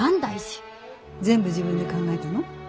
全部自分で考えたの？